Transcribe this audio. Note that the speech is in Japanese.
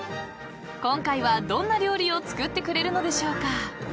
［今回はどんな料理を作ってくれるのでしょうか？］